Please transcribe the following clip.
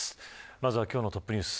まずは今日のトップニュース。